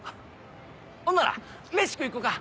ほんなら飯食い行こか！